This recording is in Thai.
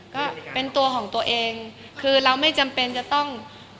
ก็เป็นตัวของตัวเองคือเราไม่จำเป็นจะต้อง